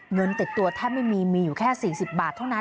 เงินติดตัวแทบไม่มีมีอยู่แค่๔๐บาทเท่านั้น